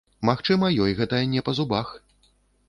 Магчыма, ёй гэта не па зубах.